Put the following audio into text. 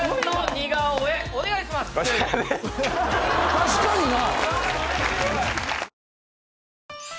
確かにな。